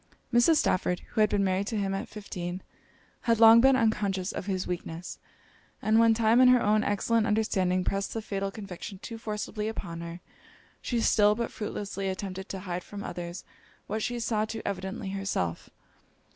Mrs. Stafford, who had been married to him at fifteen, had long been unconscious of his weakness: and when time and her own excellent understanding pressed the fatal conviction too forcibly upon her, she still, but fruitlessly, attempted to hide from others what she saw too evidently herself.